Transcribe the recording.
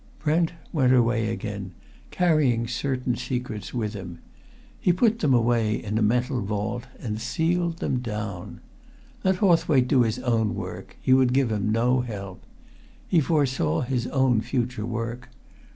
Brent went away then, carrying certain secrets with him. He put them away in a mental vault and sealed them down. Let Hawthwaite do his own work, he would give him no help. He forsaw his own future work.